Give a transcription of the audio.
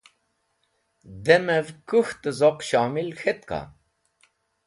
Dẽmẽv kuk̃htẽ zoq shomil k̃hetka?